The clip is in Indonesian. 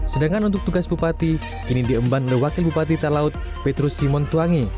sedangkan untuk tugas bupati kini diemban oleh wakil bupati talaut petrus simon tuangi